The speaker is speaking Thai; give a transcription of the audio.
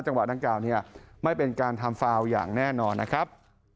จังหวะดังกล่าวเนี่ยไม่เป็นการทำฟาวอย่างแน่นอนนะครับ